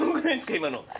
今の。